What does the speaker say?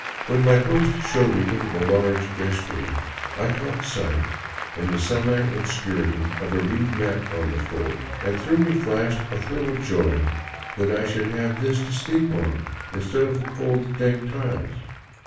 When my host showed me into a large guest room, I caught sight, in the semi obscurity, of a reed mat on the floor, and through me flashed a thrill of joy that I should have this to sleep on, instead of the cold, dank tiles.